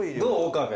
岡部。